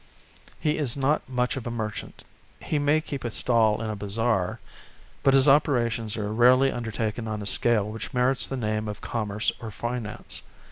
He is not much of a merchant. He may keep a stall in a bazaar, but his operations are rarely undertaken on a scale which merits the name of commerce or finance.